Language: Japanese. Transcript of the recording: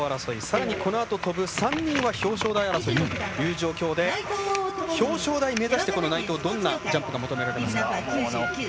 さらに、このあと飛ぶ３人は表彰台争いという状況で表彰台目指して、この内藤どんなジャンプが求められますか。